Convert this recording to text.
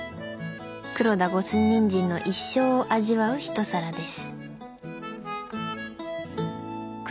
黒田五寸ニンジンの一生を味わう一皿です。